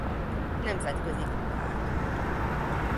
Nemzetközi kupák